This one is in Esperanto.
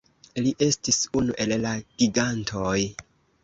Li estis unu el la gigantoj.